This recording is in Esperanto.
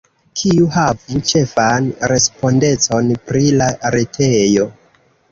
Kiu havu ĉefan respondecon pri la retejo?